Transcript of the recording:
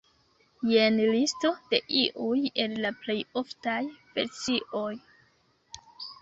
Jen listo de iuj el la plej oftaj versioj.